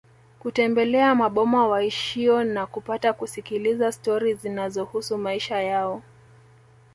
Kutembelea maboma waishio na kupata kusikiliza stori zinazohusu maisha yao